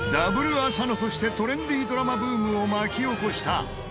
Ｗ浅野としてトレンディードラマブームを巻き起こした。